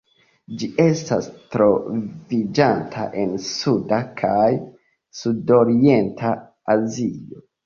Ĝi estas troviĝanta en Suda kaj Sudorienta Azio.